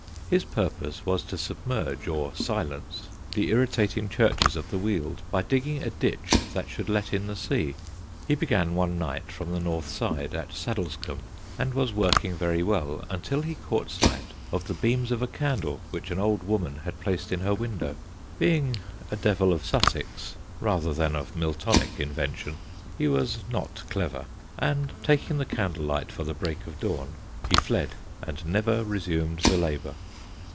His purpose was to submerge or silence the irritating churches of the Weald, by digging a ditch that should let in the sea. He began one night from the North side, at Saddlescombe, and was working very well until he caught sight of the beams of a candle which an old woman had placed in her window. Being a Devil of Sussex rather than of Miltonic invention, he was not clever, and taking the candle light for the break of dawn, he fled and never resumed the labour.